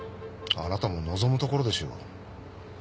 あなたも望むところでしょう。